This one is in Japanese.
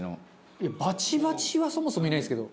いやバチバチはそもそもいないですけど。